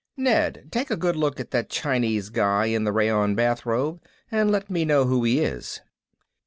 "Ned, take a good look at that Chinese guy in the rayon bathrobe and let me know who he is."